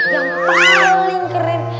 yang paling keren